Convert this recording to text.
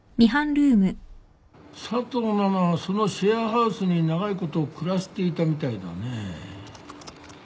佐藤奈々はそのシェアハウスに長いこと暮らしていたみたいだねえ。